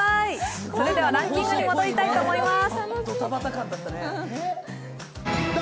ランキングに戻りたいと思います。